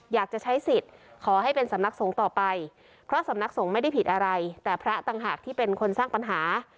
อยากจะใช้สิทธิ์ขอให้เป็นสำนักสงฆ์ต่อไปเพราะสำนักสงฆ์ไม่ได้ผิดอะไรแต่พระต่างหากที่เป็นคนสร้างปัญหา